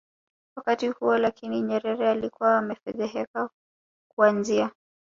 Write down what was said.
wakati huo Lakini Nyerere alikuwa amefedheheka Kuanzia